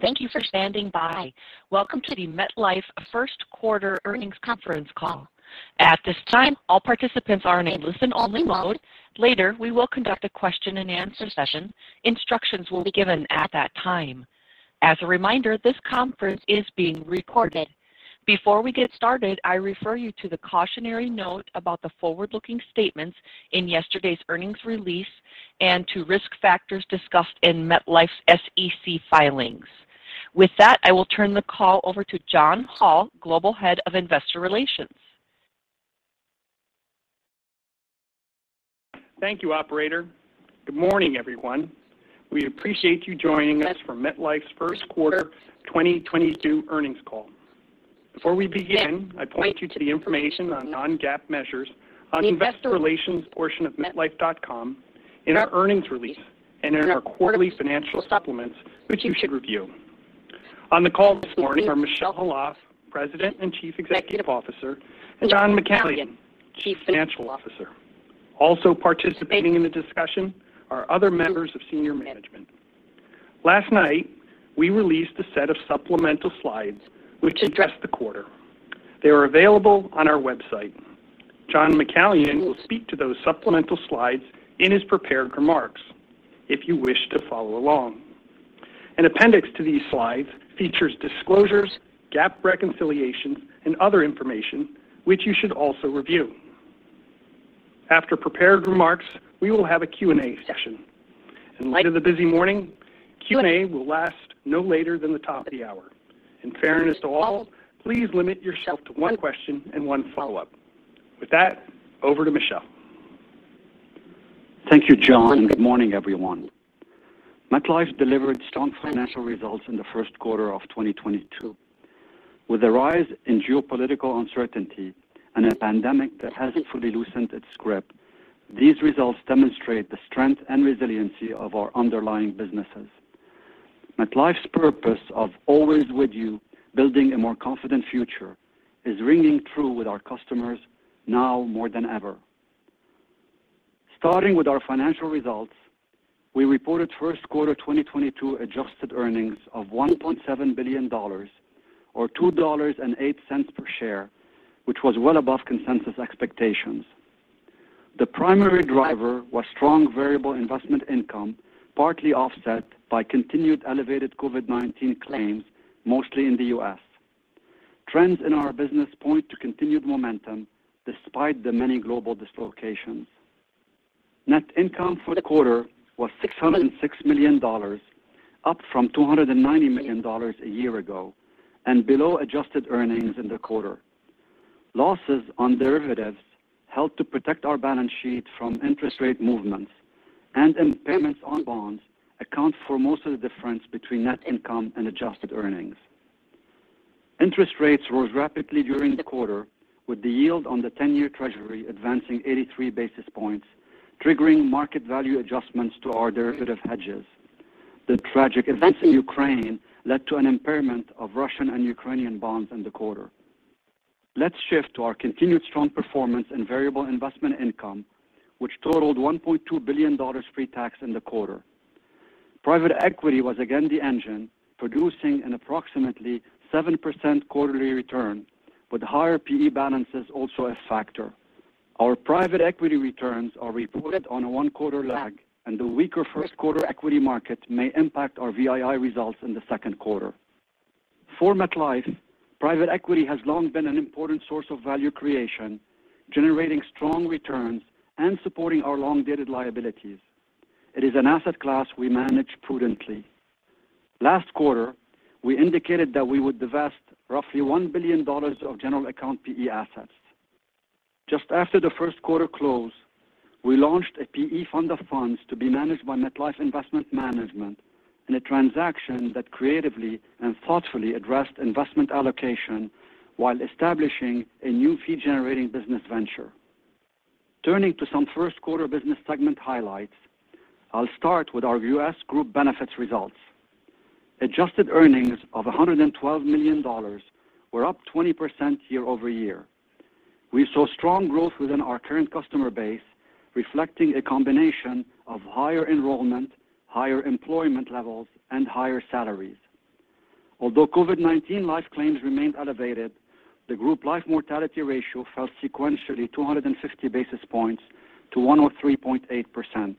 Thank you for standing by. Welcome to the MetLife First Quarter Earnings Conference Call. At this time, all participants are in a listen-only mode. Later, we will conduct a question-and-answer session. Instructions will be given at that time. As a reminder, this conference is being recorded. Before we get started, I refer you to the cautionary note about the forward-looking statements in yesterday's earnings release and to risk factors discussed in MetLife's SEC filings. With that, I will turn the call over to John Hall, Global Head of Investor Relations. Thank you, operator. Good morning, everyone. We appreciate you joining us for MetLife's first quarter 2022 earnings call. Before we begin, I point you to the information on non-GAAP measures on investor relations portion of metlife.com in our earnings release and in our quarterly financial supplements, which you should review. On the call this morning are Michel Khalaf, President and Chief Executive Officer, and John McCallion, Chief Financial Officer. Also participating in the discussion are other members of senior management. Last night, we released a set of supplemental slides which address the quarter. They are available on our website. John McCallion will speak to those supplemental slides in his prepared remarks if you wish to follow along. An appendix to these slides features disclosures, GAAP reconciliations, and other information which you should also review. After prepared remarks, we will have a Q&A session. In light of the busy morning, Q&A will last no later than the top of the hour. In fairness to all, please limit yourself to one question and one follow-up. With that, over to Michel. Thank you, John, and good morning, everyone. MetLife delivered strong financial results in the first quarter of 2022. With the rise in geopolitical uncertainty and a pandemic that hasn't fully loosened its grip, these results demonstrate the strength and resiliency of our underlying businesses. MetLife's purpose of always with you, building a more confident future, is ringing true with our customers now more than ever. Starting with our financial results, we reported first-quarter 2022 adjusted earnings of $1.7 billion or $2.08 per share, which was well above consensus expectations. The primary driver was strong variable investment income, partly offset by continued elevated COVID-19 claims, mostly in the U.S. Trends in our business point to continued momentum despite the many global dislocations. Net income for the quarter was $606 million, up from $290 million a year ago and below adjusted earnings in the quarter. Losses on derivatives helped to protect our balance sheet from interest rate movements, and impairments on bonds account for most of the difference between net income and adjusted earnings. Interest rates rose rapidly during the quarter, with the yield on the 10-year Treasury advancing 83 basis points, triggering market value adjustments to our derivative hedges. The tragic events in Ukraine led to an impairment of Russian and Ukrainian bonds in the quarter. Let's shift to our continued strong performance in variable investment income, which totaled $1.2 billion pre-tax in the quarter. Private equity was again the engine, producing an approximately 7% quarterly return, with higher PE balances also a factor. Our private equity returns are reported on a one quarter lag, and the weaker first quarter equity market may impact our VII results in the second quarter. For MetLife, private equity has long been an important source of value creation, generating strong returns and supporting our long-dated liabilities. It is an asset class we manage prudently. Last quarter, we indicated that we would divest roughly $1 billion of general account PE assets. Just after the first quarter close, we launched a PE fund of funds to be managed by MetLife Investment Management in a transaction that creatively and thoughtfully addressed investment allocation while establishing a new fee-generating business venture. Turning to some first quarter business segment highlights, I'll start with our U.S. Group Benefits results. Adjusted earnings of $112 million were up 20% year-over-year. We saw strong growth within our current customer base, reflecting a combination of higher enrollment, higher employment levels, and higher salaries. Although COVID-19 life claims remained elevated, the group life mortality ratio fell sequentially 260 basis points to 103.8%.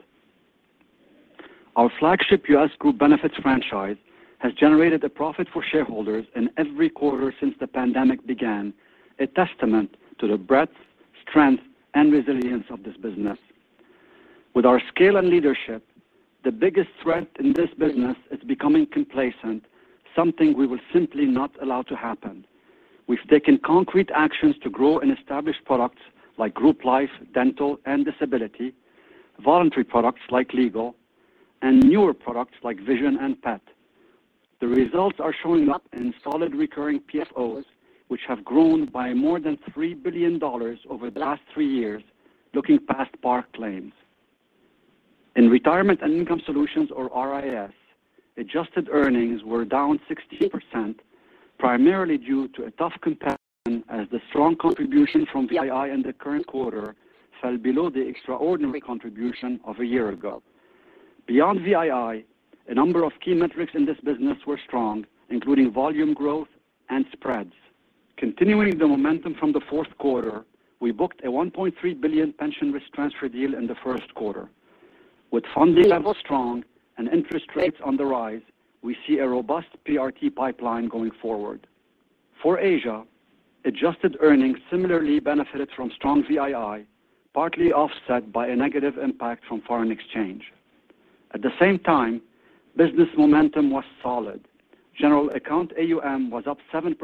Our flagship U.S. Group Benefits franchise has generated a profit for shareholders in every quarter since the pandemic began, a testament to the breadth, strength, and resilience of this business. With our scale and leadership, the biggest threat in this business is becoming complacent, something we will simply not allow to happen. We've taken concrete actions to grow and establish products like group life, dental, and disability, voluntary products like legal, and newer products like vision and pet. The results are showing up in solid recurring PFOs, which have grown by more than $3 billion over the last three years, looking past large claims. In Retirement and Income Solutions or RIS, adjusted earnings were down 16% primarily due to a tough comparison as the strong contribution from VII in the current quarter fell below the extraordinary contribution of a year ago. Beyond VII, a number of key metrics in this business were strong, including volume growth and spreads. Continuing the momentum from the fourth quarter, we booked a $1.3 billion pension risk transfer deal in the first quarter. With funding levels strong and interest rates on the rise, we see a robust PRT pipeline going forward. For Asia, adjusted earnings similarly benefited from strong VII, partly offset by a negative impact from foreign exchange. At the same time, business momentum was solid. General account AUM was up 7%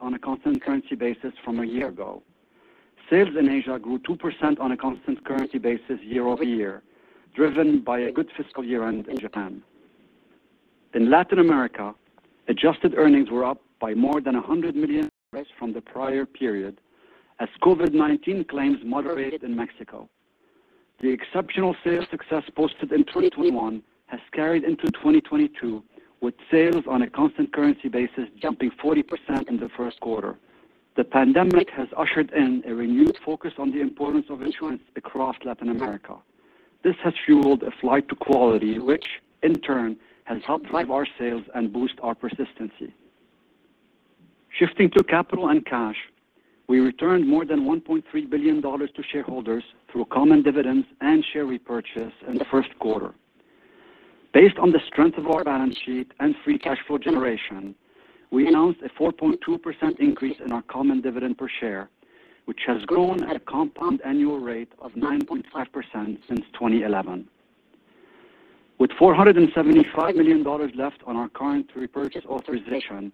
on a constant currency basis from a year ago. Sales in Asia grew 2% on a constant currency basis year-over-year, driven by a good fiscal year-end in Japan. In Latin America, adjusted earnings were up by more than $100 million from the prior period as COVID-19 claims moderated in Mexico. The exceptional sales success posted in 2021 has carried into 2022, with sales on a constant currency basis jumping 40% in the first quarter. The pandemic has ushered in a renewed focus on the importance of insurance across Latin America. This has fueled a flight to quality, which in turn has helped drive our sales and boost our persistency. Shifting to capital and cash, we returned more than $1.3 billion to shareholders through common dividends and share repurchase in the first quarter. Based on the strength of our balance sheet and free cash flow generation, we announced a 4.2% increase in our common dividend per share, which has grown at a compound annual rate of 9.5% since 2011. With $475 million left on our current repurchase authorization,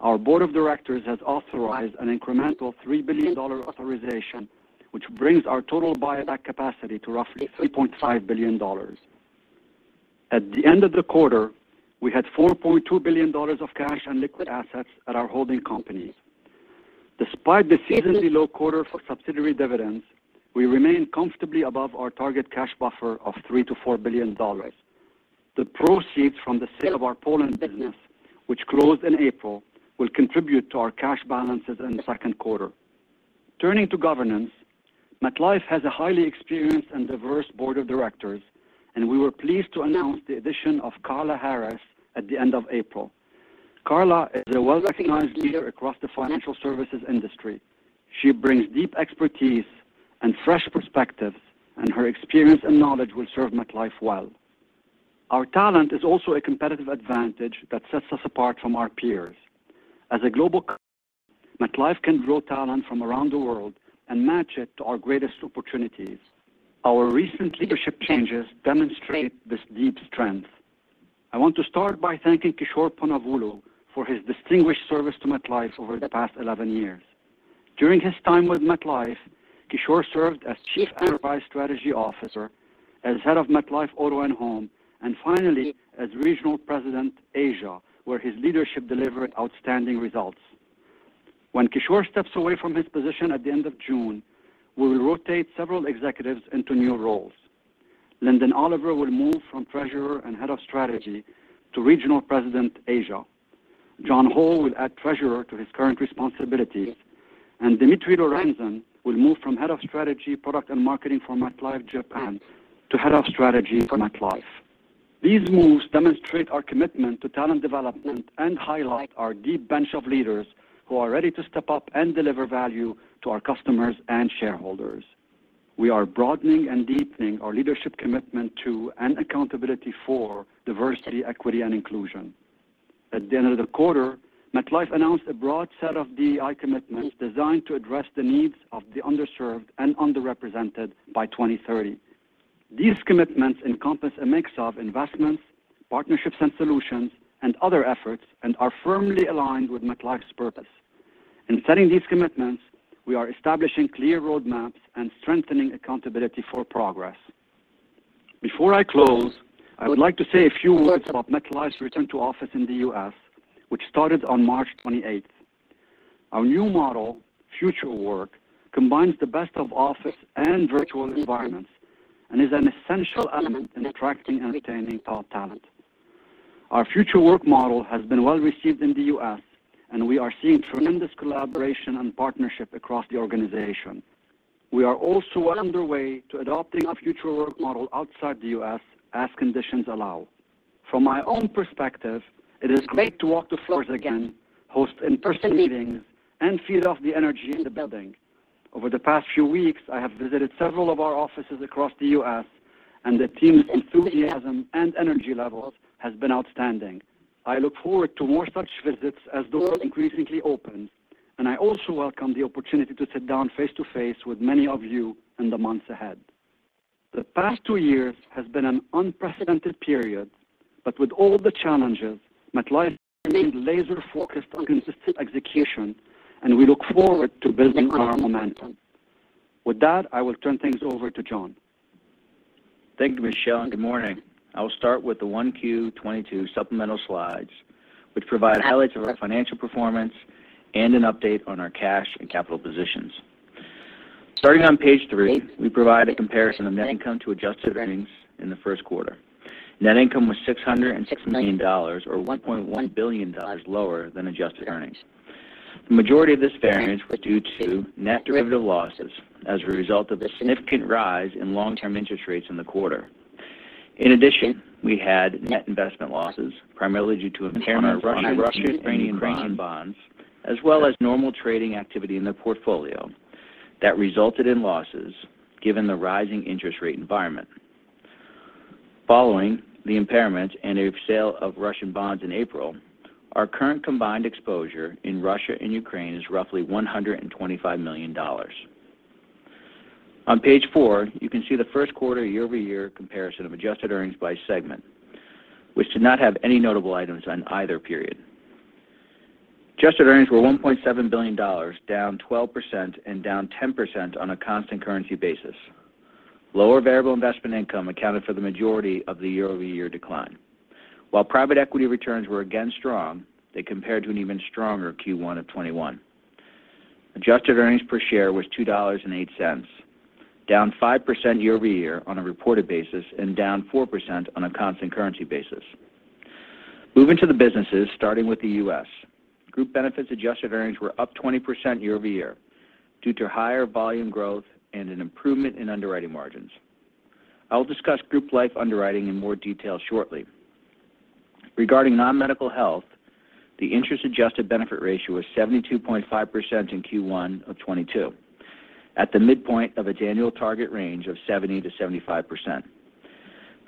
our board of directors has authorized an incremental $3 billion authorization, which brings our total buyback capacity to roughly $3.5 billion. At the end of the quarter, we had $4.2 billion of cash and liquid assets at our holding companies. Despite the seasonally low quarter for subsidiary dividends, we remain comfortably above our target cash buffer of $3 billion-$4 billion. The proceeds from the sale of our Poland business, which closed in April, will contribute to our cash balances in the second quarter. Turning to governance, MetLife has a highly experienced and diverse board of directors, and we were pleased to announce the addition of Carla Harris at the end of April. Carla is a well-recognized leader across the financial services industry. She brings deep expertise and fresh perspectives, and her experience and knowledge will serve MetLife well. Our talent is also a competitive advantage that sets us apart from our peers. As a global company, MetLife can draw talent from around the world and match it to our greatest opportunities. Our recent leadership changes demonstrate this deep strength. I want to start by thanking Kishore Ponnavolu for his distinguished service to MetLife over the past 11 years. During his time with MetLife, Kishore served as Chief Enterprise Strategy Officer, as Head of MetLife Auto & Home, and finally, as Regional President, Asia, where his leadership delivered outstanding results. When Kishore steps away from his position at the end of June, we will rotate several executives into new roles. Lyndon Oliver will move from Treasurer and Head of Strategy to Regional President, Asia. John Hall will add Treasurer to his current responsibilities, and Dimitri Lorenzon will move from Head of Strategy, Product, and Marketing for MetLife Japan to Head of Strategy for MetLife. These moves demonstrate our commitment to talent development and highlight our deep bench of leaders who are ready to step up and deliver value to our customers and shareholders. We are broadening and deepening our leadership commitment to, and accountability for, diversity, equity, and inclusion. At the end of the quarter, MetLife announced a broad set of DEI commitments designed to address the needs of the underserved and underrepresented by 2030. These commitments encompass a mix of investments, partnerships and solutions, and other efforts, and are firmly aligned with MetLife's purpose. In setting these commitments, we are establishing clear roadmaps and strengthening accountability for progress. Before I close, I would like to say a few words about MetLife's return to office in the U.S., which started on March 28. Our new model, Future Work, combines the best of office and virtual environments and is an essential element in attracting and retaining top talent. Our Future Work model has been well received in the U.S., and we are seeing tremendous collaboration and partnership across the organization. We are also underway to adopting a Future Work model outside the U.S. as conditions allow. From my own perspective, it is great to walk the floors again, host in-person meetings, and feel the energy in the building. Over the past few weeks, I have visited several of our offices across the U.S., and the team's enthusiasm and energy levels has been outstanding. I look forward to more such visits as doors increasingly open, and I also welcome the opportunity to sit down face-to-face with many of you in the months ahead. The past two years has been an unprecedented period, but with all the challenges, MetLife remains laser-focused on consistent execution, and we look forward to building on our momentum. With that, I will turn things over to John. Thank you, Michel, and good morning. I will start with the 1Q22 supplemental slides, which provide highlights of our financial performance and an update on our cash and capital positions. Starting on page three, we provide a comparison of net income to adjusted earnings in the first quarter. Net income was $616 million or $1.1 billion lower than adjusted earnings. The majority of this variance was due to net derivative losses as a result of a significant rise in long-term interest rates in the quarter. In addition, we had net investment losses primarily due to impairment of Russian and Ukrainian bonds as well as normal trading activity in the portfolio that resulted in losses given the rising interest rate environment. Following the impairments and a sale of Russian bonds in April, our current combined exposure in Russia and Ukraine is roughly $125 million. On page four, you can see the first quarter year-over-year comparison of adjusted earnings by segment, which did not have any notable items on either period. Adjusted earnings were $1.7 billion, down 12% and down 10% on a constant currency basis. Lower variable investment income accounted for the majority of the year-over-year decline. While private equity returns were again strong, they compared to an even stronger Q1 of 2021. Adjusted earnings per share was $2.08, down 5% year-over-year on a reported basis and down 4% on a constant currency basis. Moving to the businesses, starting with the U.S. Group Benefits adjusted earnings were up 20% year-over-year due to higher volume growth and an improvement in underwriting margins. I will discuss Group Life underwriting in more detail shortly. Regarding non-medical health, the interest-adjusted benefit ratio was 72.5% in Q1 of 2022, at the midpoint of its annual target range of 70%-75%.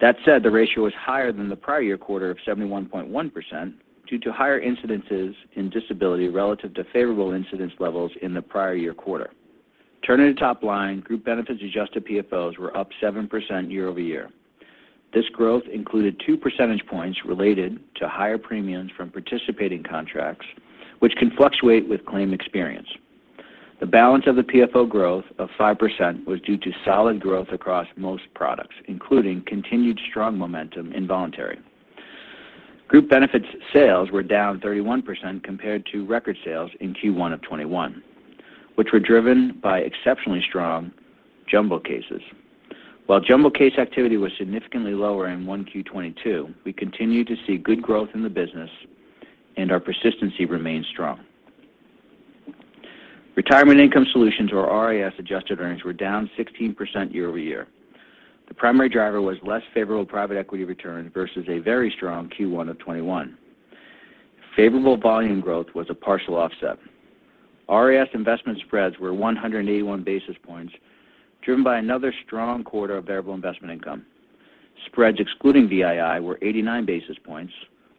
That said, the ratio was higher than the prior-year- quarter of 71.1% due to higher incidences in disability relative to favorable incidence levels in the prior year quarter. Turning to top line, Group Benefits adjusted PFOs were up 7% year-over-year. This growth included two percentage points related to higher premiums from participating contracts, which can fluctuate with claim experience. The balance of the PFO growth of 5% was due to solid growth across most products, including continued strong momentum in voluntary. Group Benefits sales were down 31% compared to record sales in Q1 of 2021, which were driven by exceptionally strong jumbo cases. Jumbo case activity was significantly lower in 1Q22. We continue to see good growth in the business and our persistency remains strong. Retirement Income Solutions or RIS adjusted earnings were down 16% year-over-year. The primary driver was less favorable private equity return versus a very strong Q1 of 2021. Favorable volume growth was a partial offset. RIS investment spreads were 181 basis points driven by another strong quarter of variable investment income. Spreads excluding VII were 89 basis points,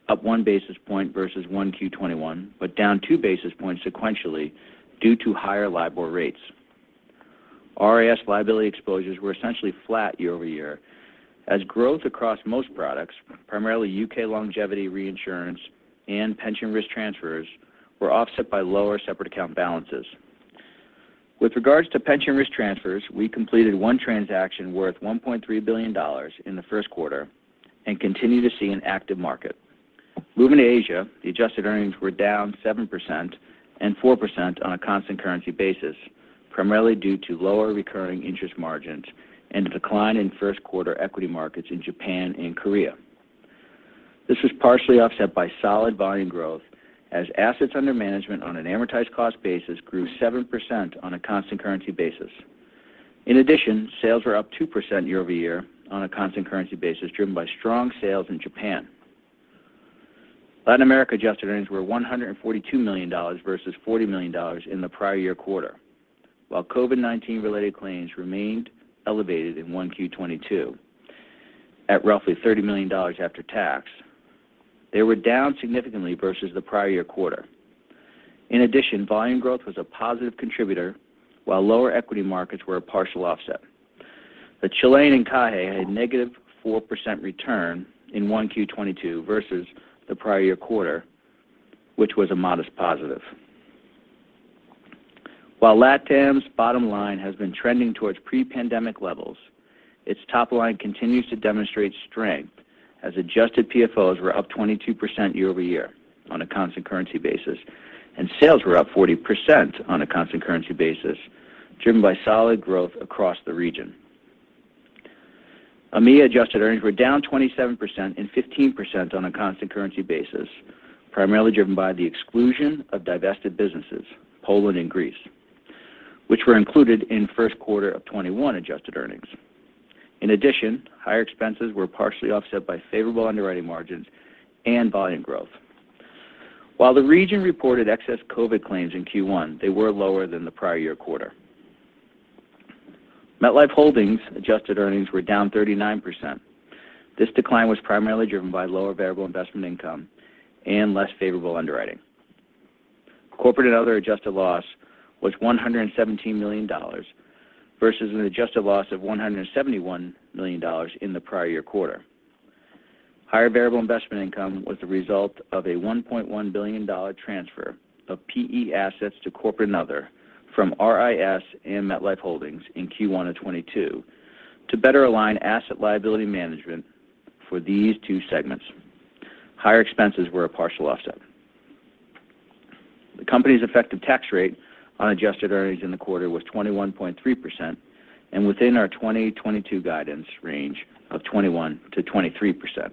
up one basis point versus 1Q21, but down two basis points sequentially due to higher LIBOR rates. RIS liability exposures were essentially flat year-over-year as growth across most products, primarily U.K. longevity reinsurance and pension risk transfers, were offset by lower separate account balances. With regards to pension risk transfers, we completed one transaction worth $1.3 billion in the first quarter and continue to see an active market. Moving to Asia, the adjusted earnings were down 7% and 4% on a constant currency basis, primarily due to lower recurring interest margins and a decline in first quarter equity markets in Japan and Korea. This was partially offset by solid volume growth as assets under management on an amortized cost basis grew 7% on a constant currency basis. In addition, sales were up 2% year-over-year on a constant currency basis driven by strong sales in Japan. Latin America adjusted earnings were $142 million versus $40 million in the prior-year-quarter. While COVID-19 related claims remained elevated in 1Q22 at roughly $30 million after tax, they were down significantly versus the prior-year-quarter. In addition, volume growth was a positive contributor while lower equity markets were a partial offset. The Chilean peso had -4% return in 1Q22 versus the prior-year-quarter, which was a modest positive. While LatAm's bottom line has been trending towards pre-pandemic levels, its top line continues to demonstrate strength as adjusted PFOs were up 22% year-over-year on a constant currency basis, and sales were up 40% on a constant currency basis driven by solid growth across the region. AMEA adjusted earnings were down 27% and 15% on a constant currency basis, primarily driven by the exclusion of divested businesses, Poland and Greece, which were included in first quarter of 2021 adjusted earnings. In addition, higher expenses were partially offset by favorable underwriting margins and volume growth. While the region reported excess COVID claims in Q1, they were lower than the prior year quarter. MetLife Holdings adjusted earnings were down 39%. This decline was primarily driven by lower variable investment income and less favorable underwriting. Corporate and other adjusted loss was $117 million versus an adjusted loss of $171 million in the prior year quarter. Higher variable investment income was the result of a $1.1 billion transfer of PE assets to corporate and other from RIS and MetLife Holdings in Q1 of 2022 to better align asset liability management for these two segments. Higher expenses were a partial offset. The company's effective tax rate on adjusted earnings in the quarter was 21.3% and within our 2022 guidance range of 21%-23%.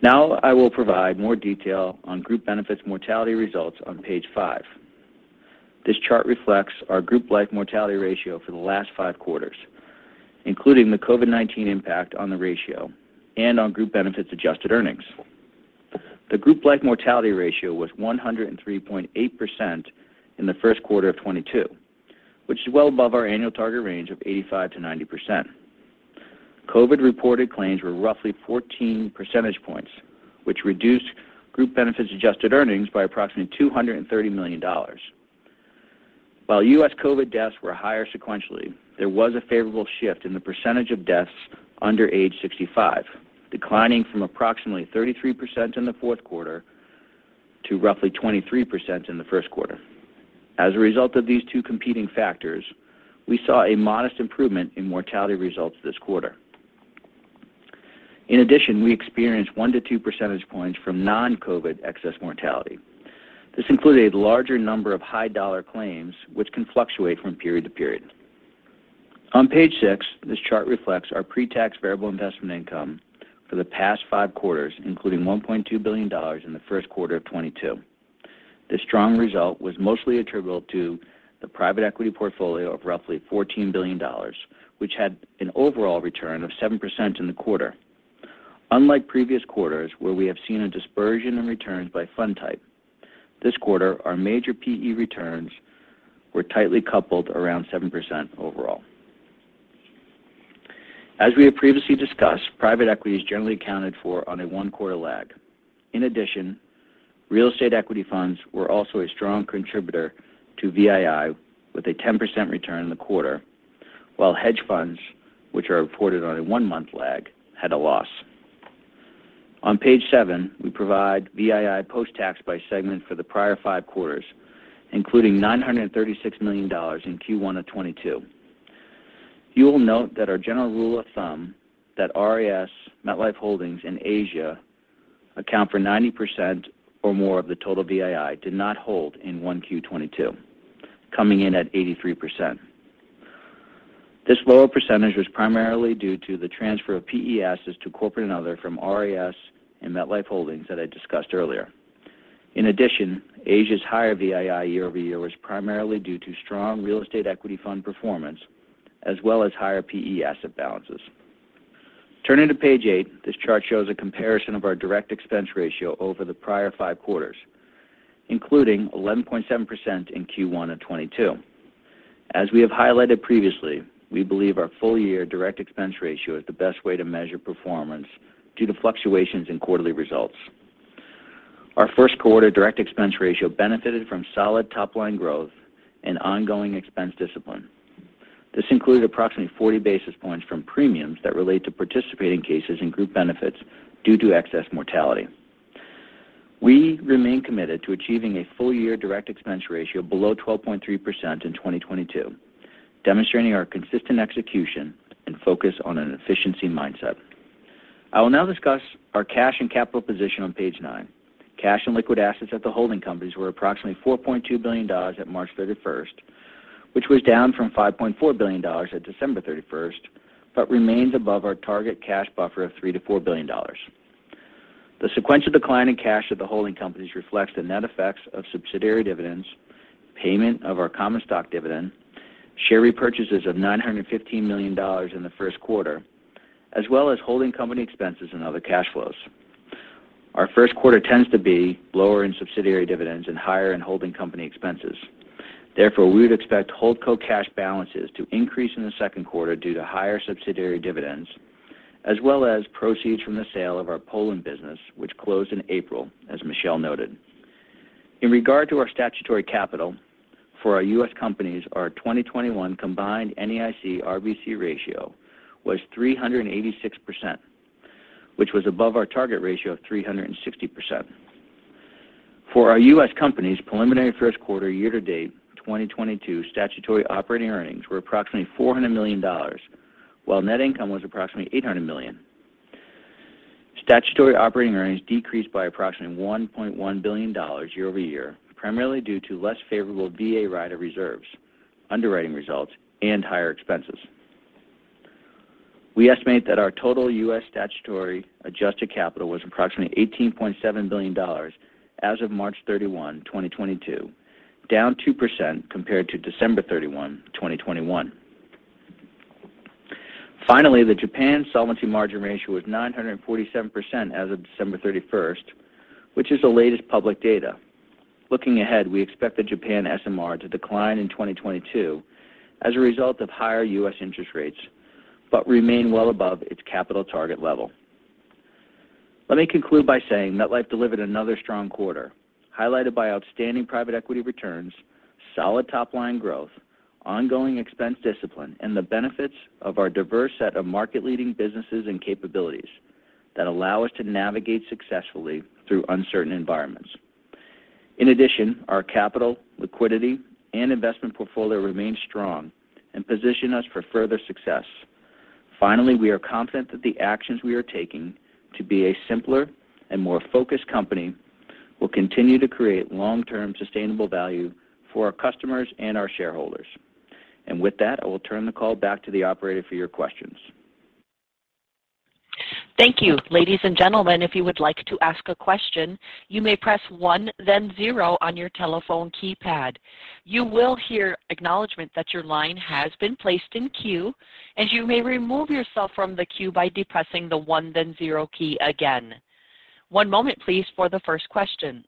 Now I will provide more detail on group benefits mortality results on page five. This chart reflects our group life mortality ratio for the last five quarters, including the COVID-19 impact on the ratio and on group benefits adjusted earnings. The group life mortality ratio was 103.8% in the first quarter of 2022, which is well above our annual target range of 85%-90%. COVID reported claims were roughly 14 percentage points, which reduced group benefits adjusted earnings by approximately $230 million. While U.S. COVID deaths were higher sequentially, there was a favorable shift in the percentage of deaths under age 65, declining from approximately 33% in the fourth quarter to roughly 23% in the first quarter. As a result of these two competing factors, we saw a modest improvement in mortality results this quarter. In addition, we experienced one to two percentage points from non-COVID excess mortality. This included a larger number of high dollar claims which can fluctuate from period to period. On page six, this chart reflects our pre-tax variable investment income for the past five quarters, including $1.2 billion in the first quarter of 2022. This strong result was mostly attributable to the private equity portfolio of roughly $14 billion, which had an overall return of 7% in the quarter. Unlike previous quarters, where we have seen a dispersion in returns by fund type, this quarter our major PE returns were tightly coupled around 7% overall. As we have previously discussed, private equity is generally accounted for on a one-quarter lag. In addition, real estate equity funds were also a strong contributor to VII with a 10% return in the quarter, while hedge funds, which are reported on a one-month lag, had a loss. On page 7, we provide VII post-tax by segment for the prior five quarters, including $936 million in Q1 of 2022. You will note that our general rule of thumb that RIS, MetLife Holdings, and Asia account for 90% or more of the total VII did not hold in 1Q22, coming in at 83%. This lower percentage was primarily due to the transfer of PE assets to corporate and other from RIS and MetLife Holdings that I discussed earlier. In addition, Asia's higher VII year-over-year was primarily due to strong real estate equity fund performance as well as higher PE asset balances. Turning to page 8, this chart shows a comparison of our direct expense ratio over the prior five quarters, including 11.7% in 1Q22. As we have highlighted previously, we believe our full year direct expense ratio is the best way to measure performance due to fluctuations in quarterly results. Our first quarter direct expense ratio benefited from solid top line growth and ongoing expense discipline. This included approximately 40 basis points from premiums that relate to participating cases in group benefits due to excess mortality. We remain committed to achieving a full year direct expense ratio below 12.3% in 2022, demonstrating our consistent execution and focus on an efficiency mindset. I will now discuss our cash and capital position on page nine. Cash and liquid assets at the holding companies were approximately $4.2 billion at March 31, which was down from $5.4 billion at December 31, but remains above our target cash buffer of $3-$4 billion. The sequential decline in cash at the holding companies reflects the net effects of subsidiary dividends, payment of our common stock dividend, share repurchases of $915 million in the first quarter, as well as holding company expenses and other cash flows. Our first quarter tends to be lower in subsidiary dividends and higher in holding company expenses. Therefore, we would expect holding co cash balances to increase in the second quarter due to higher subsidiary dividends, as well as proceeds from the sale of our Poland business, which closed in April, as Michel noted. In regard to our statutory capital for our U.S. companies, our 2021 combined NAIC RBC ratio was 386%, which was above our target ratio of 360%. For our U.S. companies, preliminary first quarter year-to-date 2022 statutory operating earnings were approximately $400 million, while net income was approximately $800 million. Statutory operating earnings decreased by approximately $1.1 billion year-over-year, primarily due to less favorable VA rider reserves, underwriting results, and higher expenses. We estimate that our total U.S. statutory adjusted capital was approximately $18.7 billion as of March 31, 2022, down 2% compared to December 31, 2021. Finally, the Japan solvency margin ratio was 947% as of December 31st, which is the latest public data. Looking ahead, we expect the Japan SMR to decline in 2022 as a result of higher U.S. interest rates, but remain well above its capital target level. Let me conclude by saying MetLife delivered another strong quarter, highlighted by outstanding private equity returns, solid top line growth, ongoing expense discipline, and the benefits of our diverse set of market-leading businesses and capabilities that allow us to navigate successfully through uncertain environments. In addition, our capital, liquidity, and investment portfolio remain strong and position us for further success. Finally, we are confident that the actions we are taking to be a simpler and more focused company will continue to create long-term sustainable value for our customers and our shareholders. With that, I will turn the call back to the operator for your questions. Thank you. Ladies and gentlemen, if you would like to ask a question, you may press one then zero on your telephone keypad. You will hear acknowledgment that your line has been placed in queue, and you may remove yourself from the queue by depressing the one then zero key again. One moment please for the first question.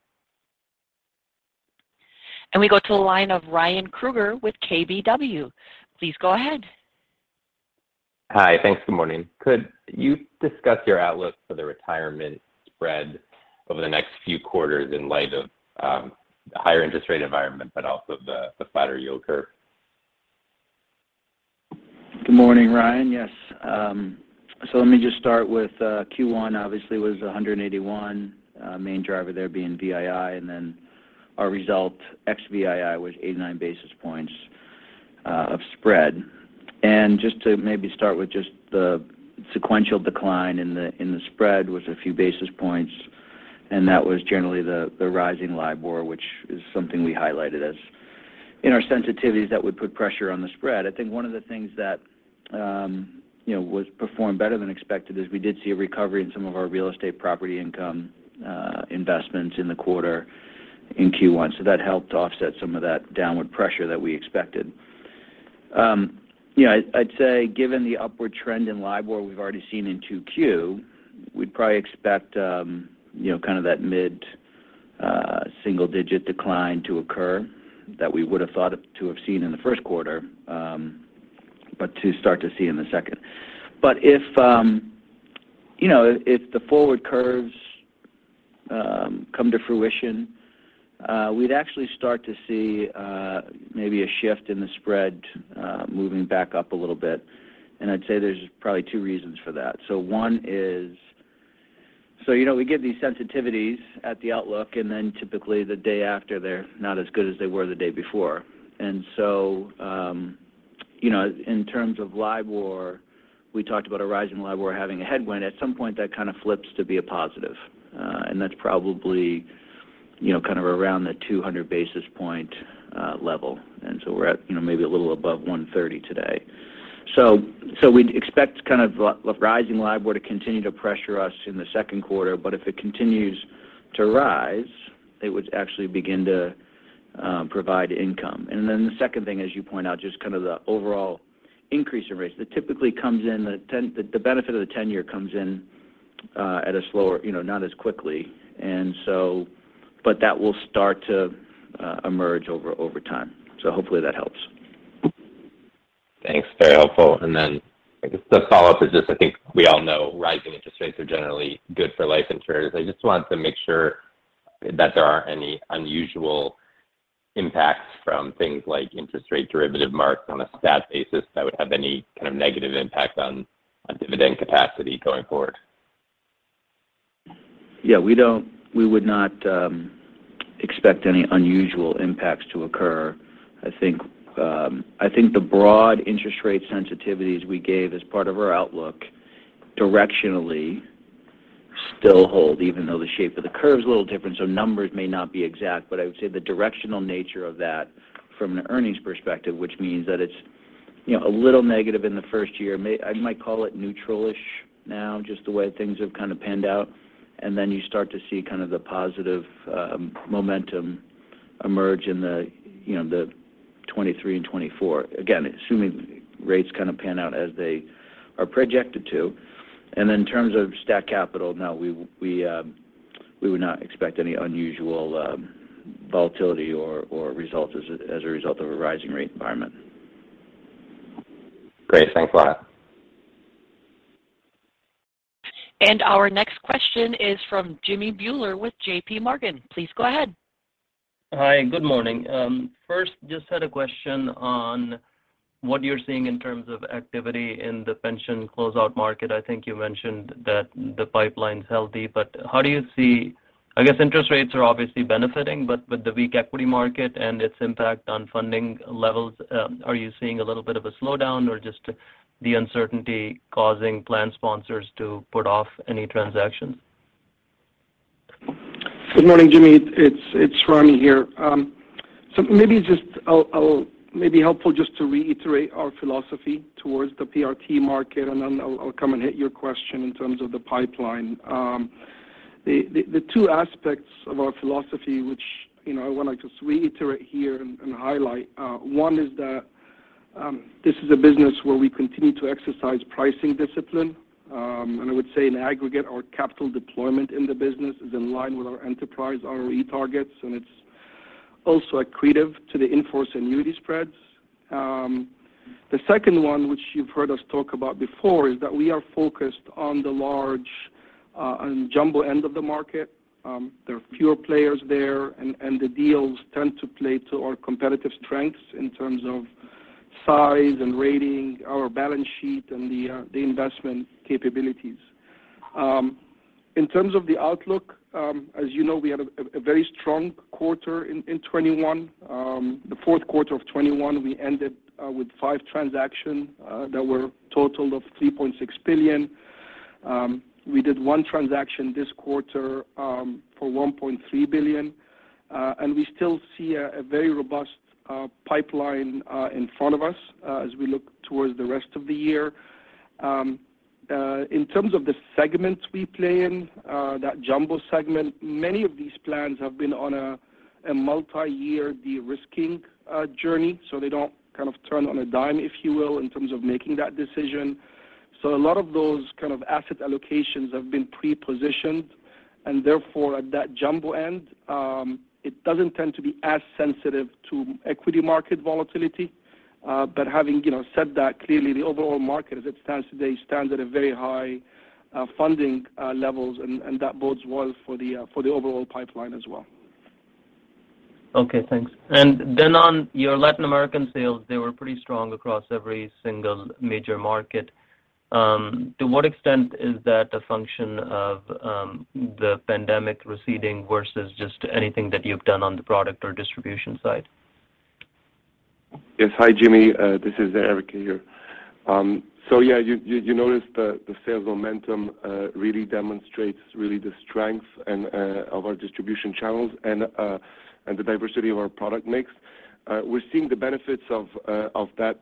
We go to the line of Ryan Krueger with KBW. Please go ahead. Hi. Thanks. Good morning. Could you discuss your outlook for the retirement spread over the next few quarters in light of the higher interest rate environment, but also the flatter yield curve? Good morning, Ryan. Yes. Let me just start with Q1 obviously was 181, main driver there being VII, and then our result ex-VII was 89 basis points of spread. Just to maybe start with just the sequential decline in the spread was a few basis points, and that was generally the rising LIBOR, which is something we highlighted as in our sensitivities that would put pressure on the spread. I think one of the things that you know was performed better than expected is we did see a recovery in some of our real estate property income investments in the quarter in Q1. That helped to offset some of that downward pressure that we expected. You know, I'd say given the upward trend in LIBOR we've already seen in 2Q, we'd probably expect, you know, kind of that mid single digit decline to occur that we would have thought to have seen in the first quarter, but to start to see in the second. If you know, if the forward curves come to fruition, we'd actually start to see maybe a shift in the spread moving back up a little bit. I'd say there's probably two reasons for that. You know, we give these sensitivities at the outlook, and then typically the day after they're not as good as they were the day before. You know, in terms of LIBOR, we talked about a rising LIBOR having a headwind, at some point that kind of flips to be a positive. That's probably, you know, kind of around the 200 basis point level. We're at, you know, maybe a little above 130 today. We'd expect kind of a rising LIBOR to continue to pressure us in the second quarter, but if it continues to rise, it would actually begin to provide income. The second thing, as you point out, just kind of the overall increase in rates. It typically comes in the benefit of the 10-year comes in at a slower, you know, not as quickly. But that will start to emerge over time. Hopefully that helps. Thanks. Very helpful. Then I guess the follow-up is just I think we all know rising interest rates are generally good for life insurers. I just wanted to make sure that there aren't any unusual impacts from things like interest rate derivative marks on a stat basis that would have any kind of negative impact on dividend capacity going forward. Yeah. We would not expect any unusual impacts to occur. I think the broad interest rate sensitivities we gave as part of our outlook directionally still hold, even though the shape of the curve is a little different, so numbers may not be exact. I would say the directional nature of that from an earnings perspective, which means that it's, you know, a little negative in the first year. I might call it neutral-ish now, just the way things have kind of panned out. You start to see kind of the positive momentum emerge in the, you know, the 2023 and 2024. Again, assuming rates kind of pan out as they are projected to. In terms of statutory capital, no, we would not expect any unusual volatility or results as a result of a rising rate environment. Great. Thanks a lot. Our next question is from Jimmy Bhullar with J.P. Morgan. Please go ahead. Hi, good morning. First just had a question on what you're seeing in terms of activity in the pension closeout market. I think you mentioned that the pipeline's healthy, but how do you see I guess interest rates are obviously benefiting, but with the weak equity market and its impact on funding levels, are you seeing a little bit of a slowdown or just the uncertainty causing plan sponsors to put off any transactions? Good morning, Jimmy. It's Ramy here. So maybe it'll be helpful just to reiterate our philosophy towards the PRT market and then I'll come and hit your question in terms of the pipeline. The two aspects of our philosophy, which, you know, I would like to reiterate here and highlight. One is that this is a business where we continue to exercise pricing discipline. I would say in aggregate our capital deployment in the business is in line with our enterprise ROE targets, and it's also accretive to the in-force annuity spreads. The second one, which you've heard us talk about before, is that we are focused on the large and jumbo end of the market. There are fewer players there and the deals tend to play to our competitive strengths in terms of size and rating our balance sheet and the investment capabilities. In terms of the outlook, as you know, we had a very strong quarter in 2021. The fourth quarter of 2021, we ended with five transactions that were a total of $3.6 billion. We did one transaction this quarter for $1.3 billion. We still see a very robust pipeline in front of us as we look towards the rest of the year. In terms of the segments we play in, that jumbo segment, many of these plans have been on a multi-year de-risking journey, so they don't kind of turn on a dime, if you will, in terms of making that decision. A lot of those kind of asset allocations have been pre-positioned and therefore at that jumbo end, it doesn't tend to be as sensitive to equity market volatility. But having, you know, said that, clearly the overall market as it stands today stands at a very high funding levels and that bodes well for the overall pipeline as well. Okay, thanks. On your Latin American sales, they were pretty strong across every single major market. To what extent is that a function of the pandemic receding versus just anything that you've done on the product or distribution side? Yes. Hi, Jimmy. This is Eric here. So yeah, you noticed the sales momentum really demonstrates the strength and of our distribution channels and the diversity of our product mix. We're seeing the benefits of that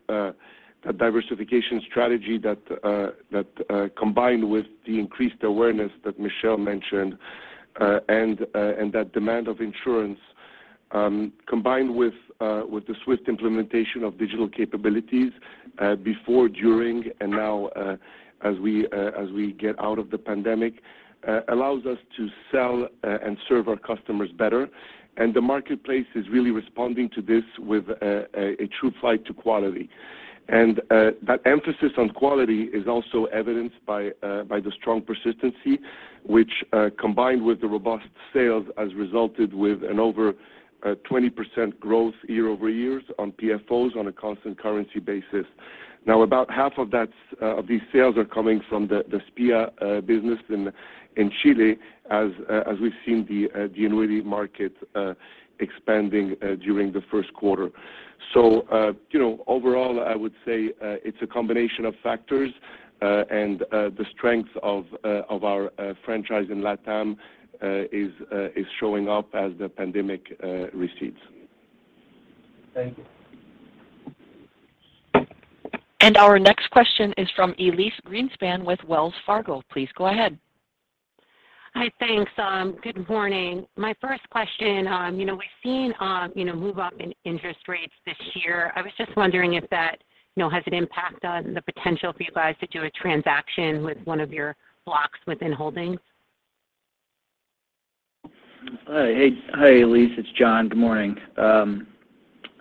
diversification strategy that combined with the increased awareness that Michel mentioned and that demand of insurance combined with the swift implementation of digital capabilities before, during, and now as we get out of the pandemic allows us to sell and serve our customers better. The marketplace is really responding to this with a true flight to quality. That emphasis on quality is also evidenced by the strong persistency, which combined with the robust sales has resulted with an over 20% growth year-over-year on PFOs on a constant currency basis. Now, about half of that of these sales are coming from the SPVA business in Chile as we've seen the annuity market expanding during the first quarter. You know, overall, I would say it's a combination of factors and the strength of our franchise in LatAm is showing up as the pandemic recedes. Thank you. Our next question is from Elyse Greenspan with Wells Fargo. Please go ahead. Hi. Thanks. Good morning. My first question, you know, we've seen, you know, move up in interest rates this year. I was just wondering if that, you know, has an impact on the potential for you guys to do a transaction with one of your blocks within Holdings? Hi. Hey. Hi, Elyse. It's John. Good morning.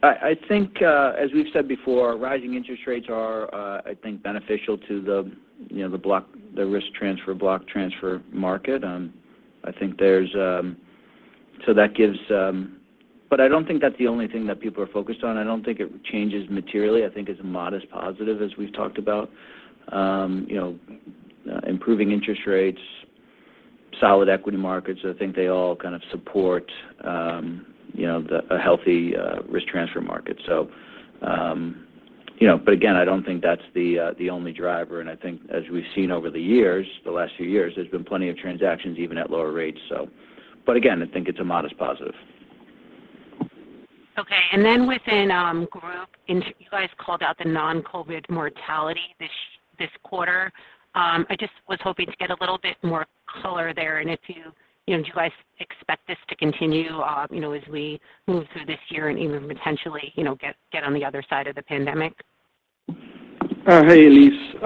I think, as we've said before, rising interest rates are, I think, beneficial to, you know, the risk transfer block transfer market. I don't think that's the only thing that people are focused on. I don't think it changes materially. I think it's a modest positive, as we've talked about. You know, improving interest rates, solid equity markets, I think they all kind of support, you know, a healthy risk transfer market. You know, but again, I don't think that's the only driver, and I think as we've seen over the years, the last few years, there's been plenty of transactions even at lower rates. Again, I think it's a modest positive. Okay. Within group, you guys called out the non-COVID mortality this quarter. I just was hoping to get a little bit more color there. If you know, do you guys expect this to continue, you know, as we move through this year and even potentially, you know, get on the other side of the pandemic? Hey, Elyse.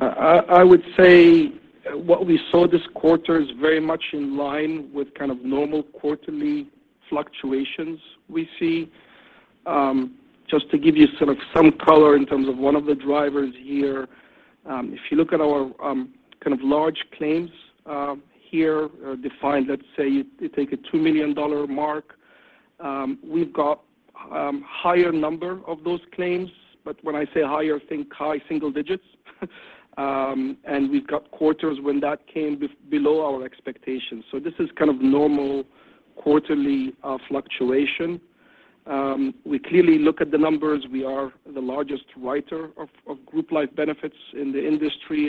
I would say what we saw this quarter is very much in line with kind of normal quarterly fluctuations we see. Just to give you sort of some color in terms of one of the drivers here, if you look at our kind of large claims here, defined, let's say, you take a $2 million mark, we've got higher number of those claims. When I say higher, think high single digits. We've got quarters when that came below our expectations. This is kind of normal quarterly fluctuation. We clearly look at the numbers. We are the largest writer of group life benefits in the industry,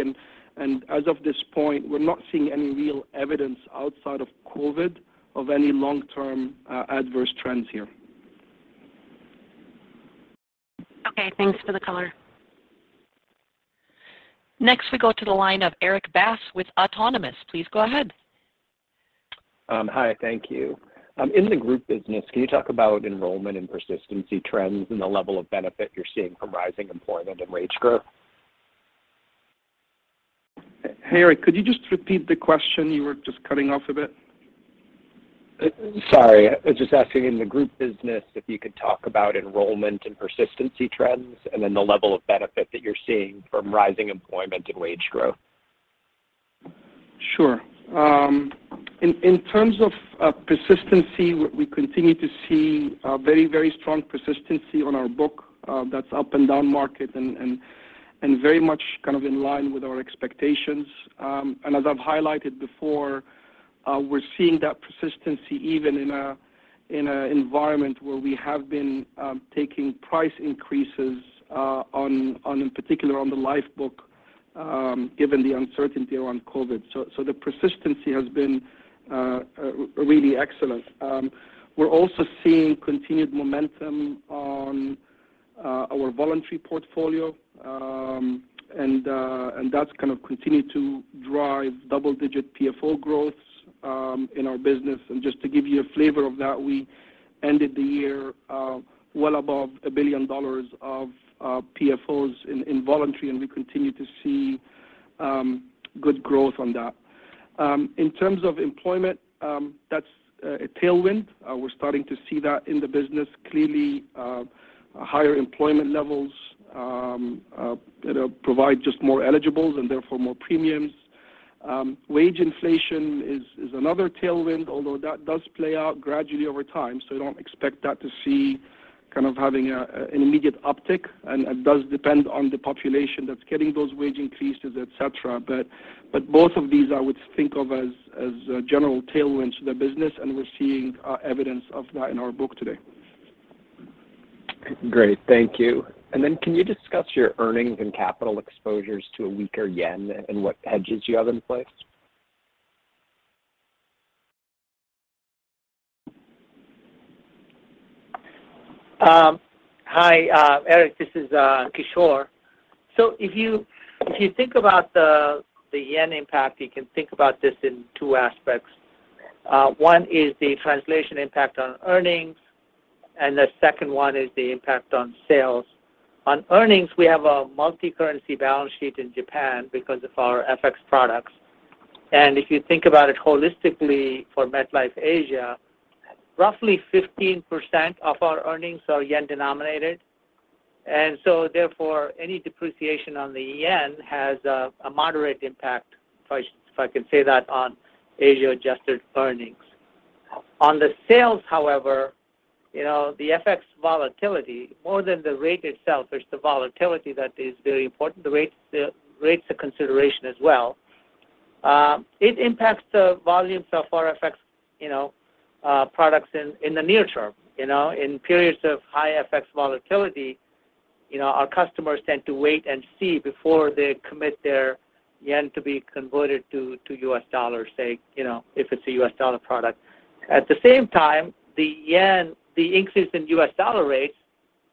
and as of this point, we're not seeing any real evidence outside of COVID of any long-term adverse trends here. Okay. Thanks for the color. Next, we go to the line of Erik Bass with Autonomous Research. Please go ahead. Hi. Thank you. In the group business, can you talk about enrollment and persistency trends and the level of benefit you're seeing from rising employment and wage growth? Hey, Eric, could you just repeat the question? You were just cutting off a bit. Sorry. I was just asking in the group business, if you could talk about enrollment and persistency trends, and then the level of benefit that you're seeing from rising employment and wage growth? Sure. In terms of persistency, we continue to see very strong persistency on our book, that's up and down market and very much kind of in line with our expectations. As I've highlighted before, we're seeing that persistency even in an environment where we have been taking price increases, in particular on the life book, given the uncertainty around COVID. The persistency has been really excellent. We're also seeing continued momentum on our voluntary portfolio, and that's kind of continued to drive double-digit PFO growth in our business. Just to give you a flavor of that, we ended the year well above $1 billion of PFO in voluntary, and we continue to see good growth on that. In terms of employment, that's a tailwind. We're starting to see that in the business. Clearly, higher employment levels, you know, provide just more eligibles and therefore more premiums. Wage inflation is another tailwind, although that does play out gradually over time, so I don't expect that to see kind of having an immediate uptick, and it does depend on the population that's getting those wage increases, et cetera. Both of these I would think of as general tailwinds to the business, and we're seeing evidence of that in our book today. Great. Thank you. Can you discuss your earnings and capital exposures to a weaker yen and what hedges you have in place? Hi, Eric, this is Kishore. If you think about the yen impact, you can think about this in two aspects. One is the translation impact on earnings, and the second one is the impact on sales. On earnings, we have a multicurrency balance sheet in Japan because of our FX products. If you think about it holistically for MetLife Asia, roughly 15% of our earnings are yen-denominated. Therefore, any depreciation on the yen has a moderate impact, if I can say that, on Asia-adjusted earnings. On the sales, however, you know, the FX volatility more than the rate itself, it's the volatility that is very important. The rates are a consideration as well. It impacts the volumes of our FX products in the near term, you know. In periods of high FX volatility, you know, our customers tend to wait and see before they commit their yen to be converted to U.S. dollars, say, you know, if it's a U.S. dollar product. At the same time, the yen, the increase in U.S. dollar rates,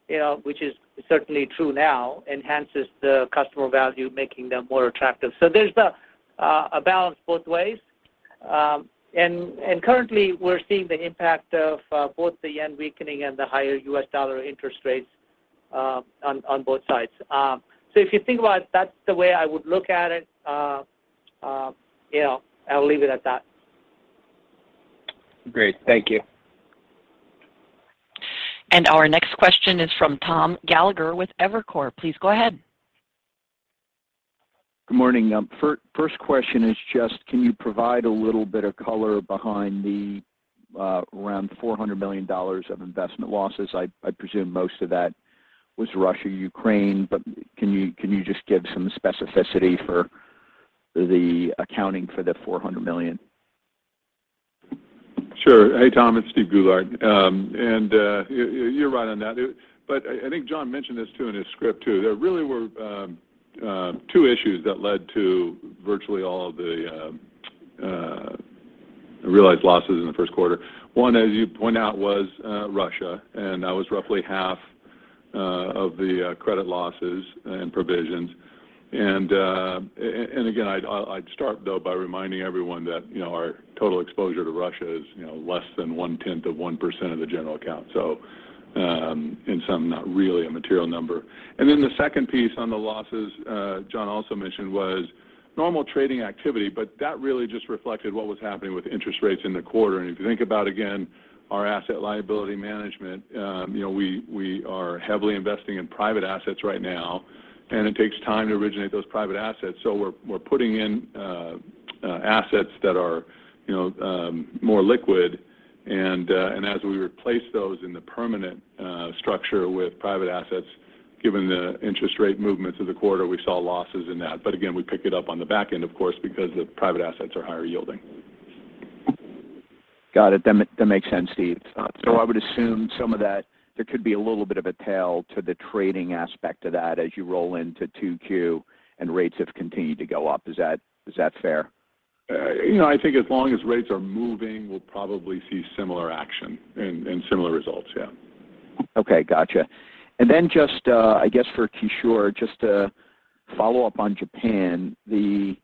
you know, which is certainly true now, enhances the customer value, making them more attractive. There's a balance both ways. And currently we're seeing the impact of both the yen weakening and the higher U.S. dollar interest rates on both sides. If you think about it, that's the way I would look at it. You know, I'll leave it at that. Great. Thank you. Our next question is from Tom Gallagher with Evercore. Please go ahead. Good morning. First question is just can you provide a little bit of color behind the around $400 million of investment losses? I presume most of that was Russia, Ukraine, but can you just give some specificity for the accounting for the $400 million? Sure. Hey, Tom, it's Steven Goulart. You're right on that. I think John mentioned this too in his script. There really were two issues that led to virtually all of the realized losses in the first quarter. One, as you point out, was Russia, and that was roughly half of the credit losses and provisions. Again, I'd start though by reminding everyone that, you know, our total exposure to Russia is, you know, less than one-tenth of 1% of the general account. In sum, not really a material number. The second piece on the losses, John also mentioned was normal trading activity, but that really just reflected what was happening with interest rates in the quarter. If you think about, again, our asset liability management, you know, we are heavily investing in private assets right now, and it takes time to originate those private assets. We're putting in assets that are, you know, more liquid. And as we replace those in the permanent structure with private assets, given the interest rate movements of the quarter, we saw losses in that. Again, we pick it up on the back end, of course, because the private assets are higher yielding. Got it. That makes sense, Stephen. I would assume some of that, there could be a little bit of a tail to the trading aspect of that as you roll into 2Q and rates have continued to go up. Is that fair? You know, I think as long as rates are moving, we'll probably see similar action and similar results, yeah. Okay. Gotcha. Then just, I guess for Kishore, just to follow up on Japan, the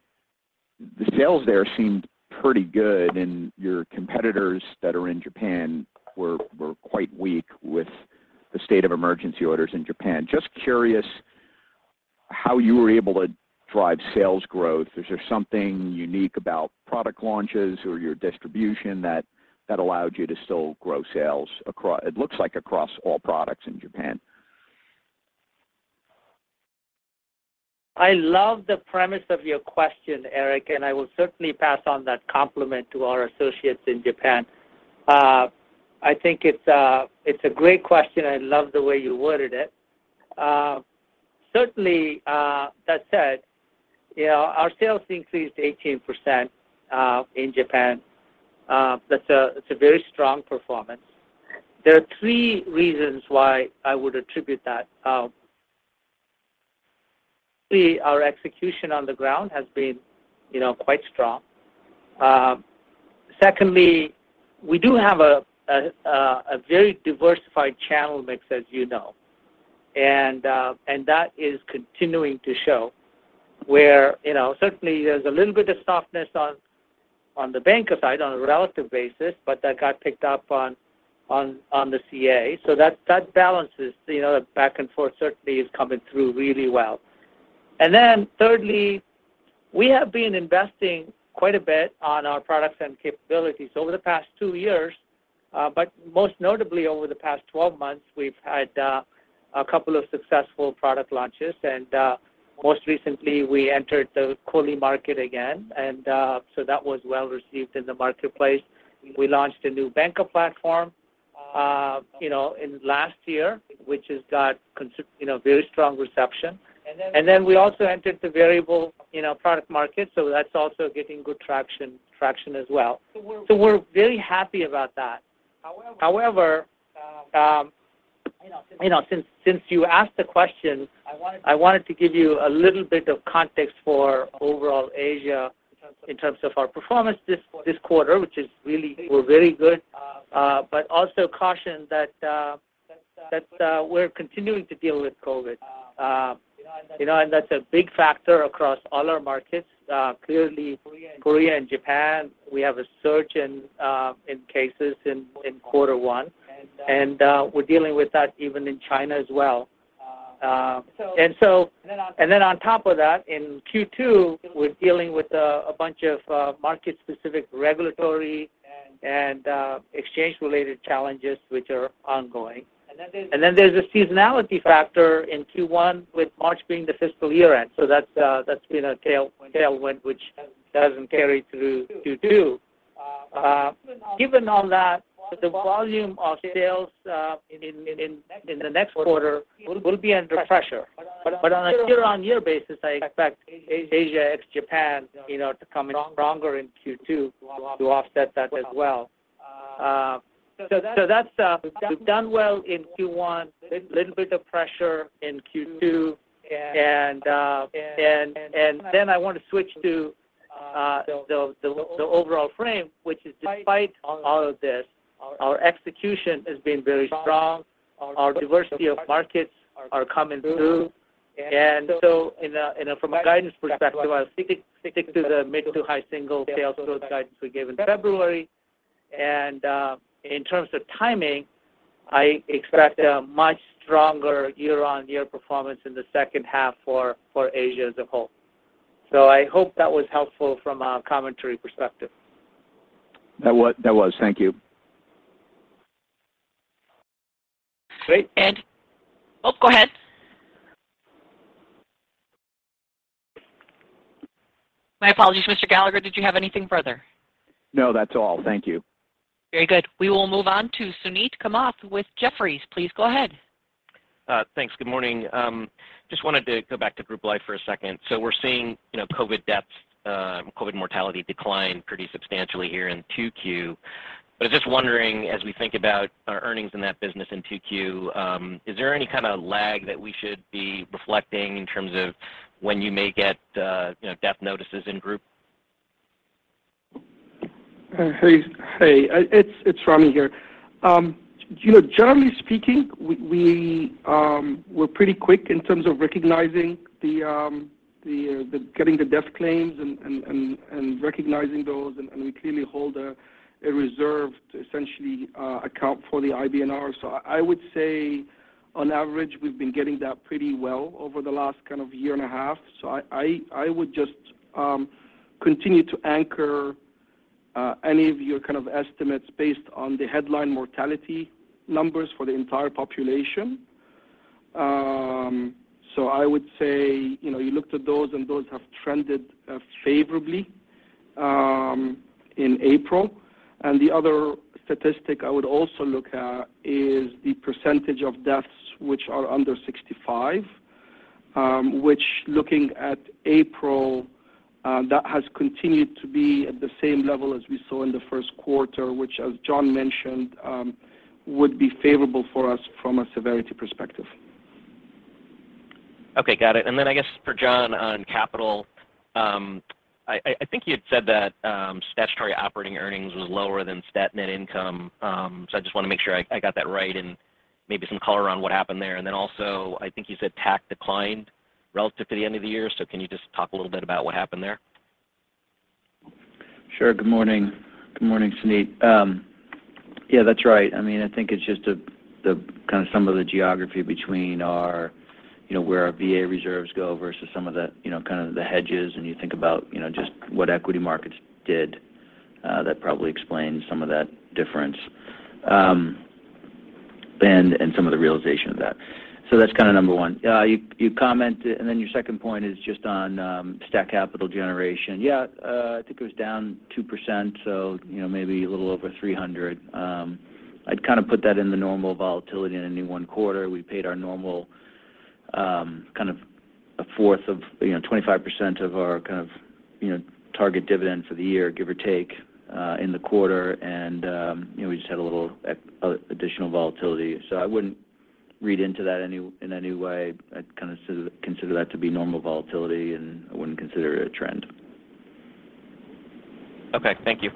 sales there seemed pretty good, and your competitors that are in Japan were quite weak with the state of emergency orders in Japan. Just curious how you were able to drive sales growth. Is there something unique about product launches or your distribution that allowed you to still grow sales, it looks like across all products in Japan? I love the premise of your question, Eric, and I will certainly pass on that compliment to our associates in Japan. I think it's a great question. I love the way you worded it. Certainly, that said, you know, our sales increased 18% in Japan. That's a very strong performance. There are three reasons why I would attribute that. Three, our execution on the ground has been, you know, quite strong. Secondly, we do have a very diversified channel mix, as you know. That is continuing to show where, you know, certainly there's a little bit of softness on the banker side on a relative basis, but that got picked up on the CA. That balance is, you know, back and forth certainly is coming through really well. Thirdly, we have been investing quite a bit on our products and capabilities over the past two years, but most notably over the past 12 months, we've had a couple of successful product launches. Most recently, we entered the QLI market again, and so that was well-received in the marketplace. We launched a new banker platform, you know, in last year, which has got you know, very strong reception. We also entered the variable, you know, product market, so that's also getting good traction as well. We're very happy about that. However, you know, since you asked the question, I wanted to give you a little bit of context for overall Asia in terms of our performance this quarter, which is really. We're very good, but also caution that we're continuing to deal with COVID. You know, that's a big factor across all our markets. Clearly Korea and Japan, we have a surge in cases in quarter one, and we're dealing with that even in China as well. Then on top of that, in Q2, we're dealing with a bunch of market-specific regulatory and exchange-related challenges which are ongoing. Then there's a seasonality factor in Q1 with March being the fiscal year-end. That's been a tailwind which doesn't carry through to two. Given all that, the volume of sales in the next quarter will be under pressure. On a year-on-year basis, I expect Asia ex-Japan, you know, to come in stronger in Q2 to offset that as well. So that's, we've done well in Q1, little bit of pressure in Q2 and then I want to switch to the overall frame, which is despite all of this, our execution has been very strong. Our diversity of markets are coming through. From a guidance perspective, sticking to the mid to high single sales growth guidance we gave in February. In terms of timing, I expect a much stronger year-on-year performance in the second half for Asia as a whole. I hope that was helpful from a commentary perspective. That was. Thank you. Great. Oh, go ahead. My apologies, Mr. Gallagher, did you have anything further? No, that's all. Thank you. Very good. We will move on to Suneet Kamath with Jefferies. Please go ahead. Thanks. Good morning. Just wanted to go back to Group Life for a second. We're seeing, you know, COVID deaths, COVID mortality decline pretty substantially here in 2Q. I was just wondering, as we think about our earnings in that business in 2Q, is there any kind of lag that we should be reflecting in terms of when you may get, you know, death notices in Group? Hey. It's Ramy here. You know, generally speaking, we're pretty quick in terms of recognizing the death claims and recognizing those, and we clearly hold a reserve to essentially account for the IBNR. I would say on average, we've been getting that pretty well over the last kind of year and a half. I would just continue to anchor any of your kind of estimates based on the headline mortality numbers for the entire population. I would say, you know, you looked at those, and those have trended favorably in April. The other statistic I would also look at is the percentage of deaths which are under 65, which looking at April, that has continued to be at the same level as we saw in the first quarter, which as John mentioned, would be favorable for us from a severity perspective. Okay, got it. I guess for John on capital, I think you had said that statutory operating earnings was lower than stat net income. I just want to make sure I got that right and maybe some color on what happened there. Also, I think you said TAC declined relative to the end of the year. Can you just talk a little bit about what happened there? Sure. Good morning. Good morning, Suneet. Yeah, that's right. I mean, I think it's just the kind of some of the geography between our, you know, where our VA reserves go versus some of the, you know, kind of the hedges, and you think about, you know, just what equity markets did, that probably explains some of that difference. Some of the realization of that. That's kind of number one. You commented, and then your second point is just on stat capital generation. Yeah, I think it was down 2%, so you know, maybe a little over $300. I'd kind of put that in the normal volatility in any one quarter. We paid our normal kind of a fourth of you know 25% of our kind of you know target dividend for the year, give or take in the quarter, and you know we just had a little additional volatility. I wouldn't read into that any in any way. I'd kind of consider that to be normal volatility, and I wouldn't consider it a trend. Okay. Thank you.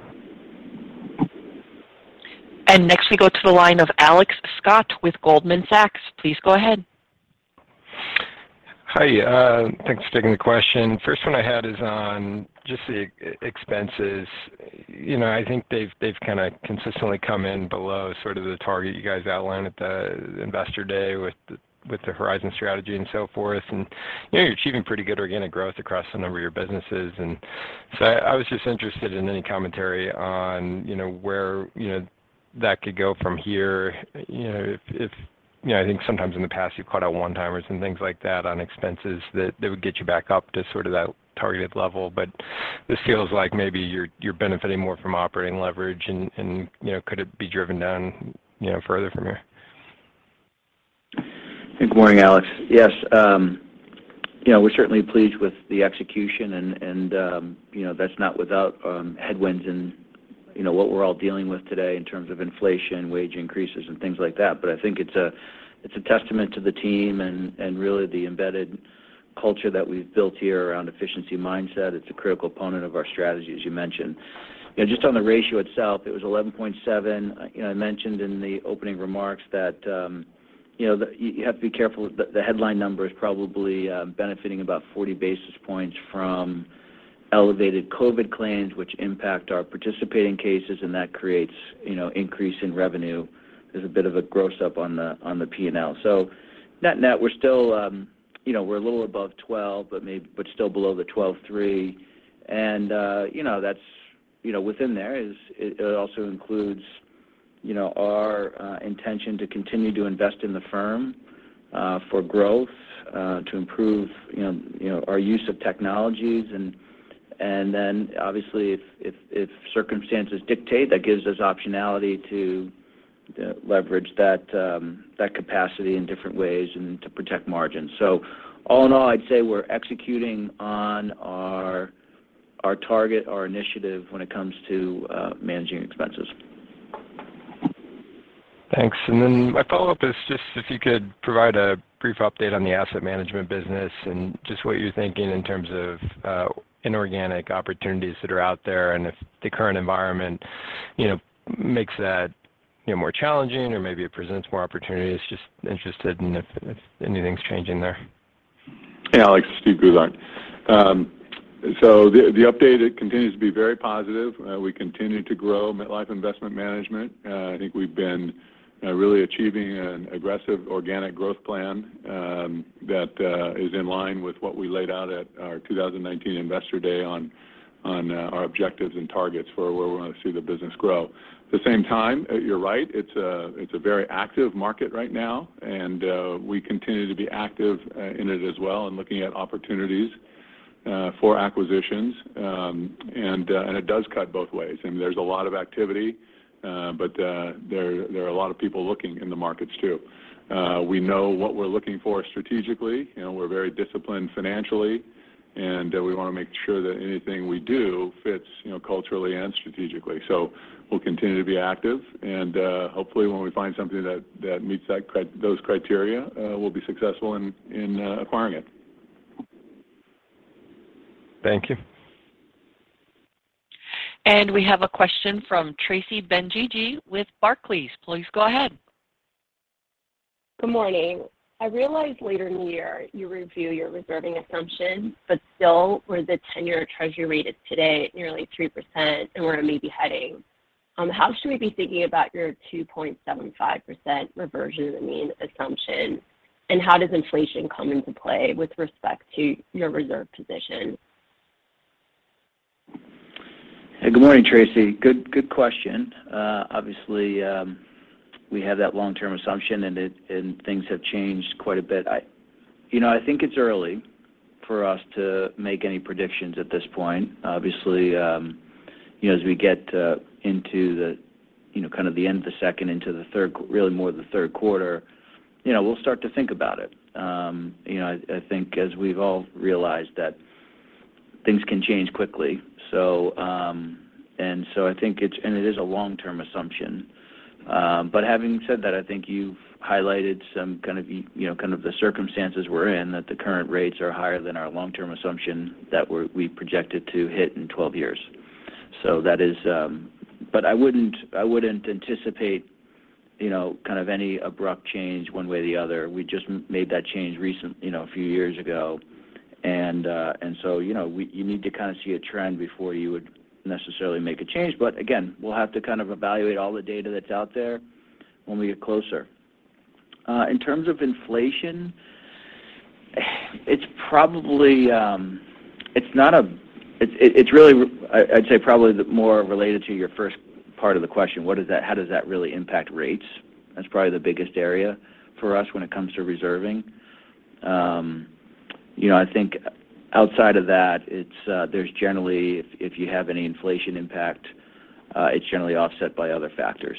Next we go to the line of Alex Scott with Goldman Sachs. Please go ahead. Hi. Thanks for taking the question. First one I had is on just the expenses. You know, I think they've kind of consistently come in below sort of the target you guys outlined at the investor day with the Next Horizon strategy and so forth, and, you know, you're achieving pretty good organic growth across a number of your businesses. I was just interested in any commentary on, you know, where, you know, that could go from here. You know, if you know, I think sometimes in the past you've called out one-timers and things like that on expenses that would get you back up to sort of that targeted level. But this feels like maybe you're benefiting more from operating leverage and, you know, could it be driven down, you know, further from here? Good morning, Alex. Yes. You know, we're certainly pleased with the execution and, you know, that's not without headwinds and, you know, what we're all dealing with today in terms of inflation, wage increases, and things like that. I think it's a testament to the team and really the embedded culture that we've built here around efficiency mindset. It's a critical component of our strategy, as you mentioned. You know, just on the ratio itself, it was 11.7. You know, I mentioned in the opening remarks that, you know, you have to be careful. The headline number is probably benefiting about 40 basis points from elevated COVID claims, which impact our participating cases, and that creates, you know, increase in revenue. There's a bit of a gross up on the P&L. Net-net, we're still, you know, we're a little above 12%, but still below the 12.3%. You know, that's, you know, within there, it also includes, you know, our intention to continue to invest in the firm for growth, to improve, you know, our use of technologies and then obviously if circumstances dictate, that gives us optionality to leverage that capacity in different ways and to protect margins. All in all, I'd say we're executing on our target, our initiative when it comes to managing expenses. Thanks. My follow-up is just if you could provide a brief update on the asset management business and just what you're thinking in terms of inorganic opportunities that are out there and if the current environment, you know, makes that, you know, more challenging or maybe it presents more opportunities. Just interested in if anything's changing there. Yeah, Alex. Steve Goulart. So the update, it continues to be very positive. We continue to grow MetLife Investment Management. I think we've been really achieving an aggressive organic growth plan, that is in line with what we laid out at our 2019 investor day on our objectives and targets for where we want to see the business grow. At the same time, you're right, it's a very active market right now, and we continue to be active in it as well and looking at opportunities for acquisitions. It does cut both ways. I mean, there's a lot of activity, but there are a lot of people looking in the markets too. We know what we're looking for strategically, you know, we're very disciplined financially, and we want to make sure that anything we do fits, you know, culturally and strategically. We'll continue to be active, and hopefully when we find something that meets those criteria, we'll be successful in acquiring it. Thank you. We have a question from Tracy Benguigui with Barclays. Please go ahead. Good morning. I realize later in the year you review your reserving assumption, but still, where the ten-year treasury rate is today at nearly 3% and where it may be heading, how should we be thinking about your 2.75% reversion of the mean assumption? How does inflation come into play with respect to your reserve position? Good morning, Tracy. Good question. Obviously, we have that long-term assumption and things have changed quite a bit. You know, I think it's early for us to make any predictions at this point. Obviously, you know, as we get into the, you know, kind of the end of the second, into the third, really more the third quarter, you know, we'll start to think about it. You know, I think as we've all realized that things can change quickly. It is a long-term assumption. Having said that, I think you've highlighted some kind of, you know, kind of the circumstances we're in, that the current rates are higher than our long-term assumption that we projected to hit in 12 years. That is. I wouldn't anticipate, you know, kind of any abrupt change one way or the other. We just made that change a few years ago. You know, you need to kind of see a trend before you would necessarily make a change. Again, we'll have to kind of evaluate all the data that's out there when we get closer. In terms of inflation, it's probably. It's really, I'd say, probably the more related to your first part of the question, how does that really impact rates? That's probably the biggest area for us when it comes to reserving. You know, I think outside of that, there's generally if you have any inflation impact, it's generally offset by other factors,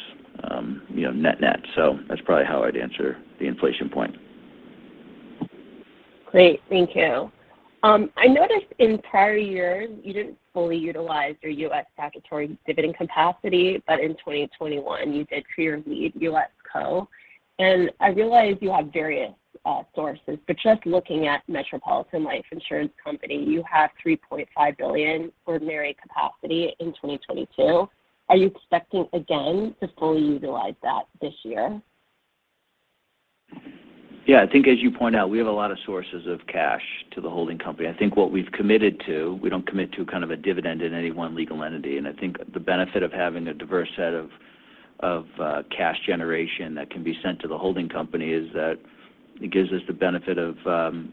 you know, net-net. That's probably how I'd answer the inflation point. Great. Thank you. I noticed in prior years you didn't fully utilize your U.S. statutory dividend capacity, but in 2021 you did for your lead U.S. co. I realize you have various sources, but just looking at Metropolitan Life Insurance Company, you have $3.5 billion ordinary capacity in 2022. Are you expecting again to fully utilize that this year? Yeah. I think as you point out, we have a lot of sources of cash to the holding company. I think what we've committed to, we don't commit to kind of a dividend in any one legal entity. I think the benefit of having a diverse set of cash generation that can be sent to the holding company is that it gives us the benefit of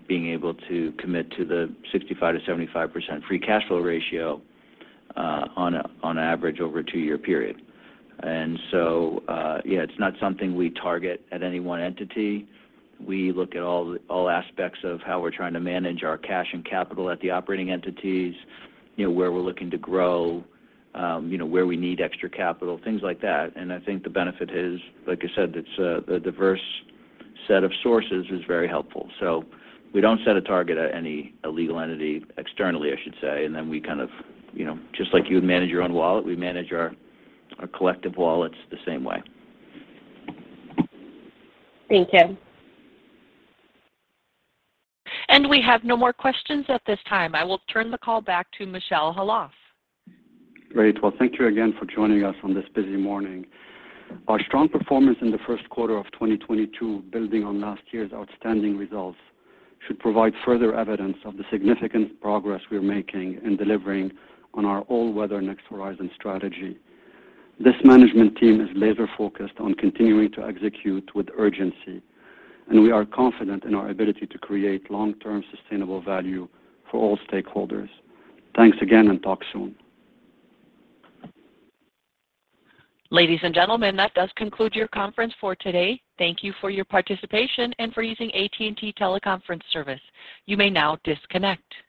being able to commit to the 65%-75% free cash flow ratio, on average over a two-year period. Yeah, it's not something we target at any one entity. We look at all aspects of how we're trying to manage our cash and capital at the operating entities, you know, where we're looking to grow, you know, where we need extra capital, things like that. I think the benefit is, like I said, it's the diverse set of sources is very helpful. We don't set a target at any legal entity externally, I should say. We kind of, you know, just like you would manage your own wallet, we manage our collective wallets the same way. Thank you. We have no more questions at this time. I will turn the call back to Michel Khalaf. Great. Well, thank you again for joining us on this busy morning. Our strong performance in the first quarter of 2022, building on last year's outstanding results, should provide further evidence of the significant progress we're making in delivering on our All-Weather Next Horizon strategy. This management team is laser-focused on continuing to execute with urgency, and we are confident in our ability to create long-term sustainable value for all stakeholders. Thanks again, and talk soon. Ladies and gentlemen, that does conclude your conference for today. Thank you for your participation and for using AT&T TeleConference Service. You may now disconnect.